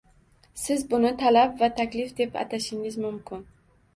Siz buni talab va taklif deb atashingiz mumkin